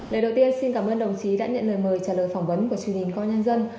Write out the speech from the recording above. lời đầu tiên xin cảm ơn đồng chí đã nhận lời mời trả lời phỏng vấn của truyền hình công an nhân dân